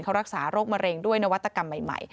เขารักษาโรคมะเร็งด้วยนวัตกรรมใหม่